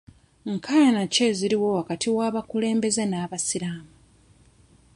Nkaayana ki eziriwo wakati w'abakulembeze b'abasiraamu?